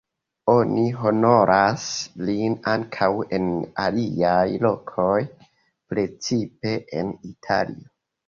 Oni honoras lin ankaŭ en aliaj lokoj, precipe en Italio.